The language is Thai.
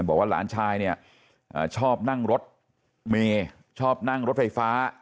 บอกว่าหลานชายเนี่ยชอบนั่งรถเมย์ชอบนั่งรถไฟฟ้า